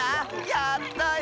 やったよ！